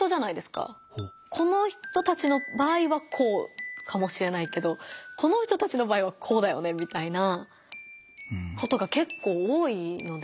この人たちの場合はこうかもしれないけどこの人たちの場合はこうだよねみたいなことが結構多いので。